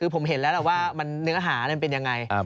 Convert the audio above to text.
ผมเห็นแล้วว่าเนื้อหาเป็นยังไง